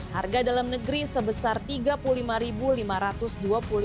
harga dalam negeri sebesar rp tiga puluh lima lima ratus dua puluh